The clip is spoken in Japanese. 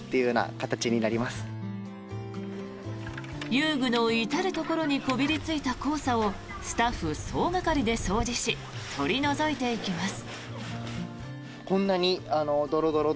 遊具の至るところにこびりついた黄砂をスタッフ総がかりで掃除し取り除いていきます。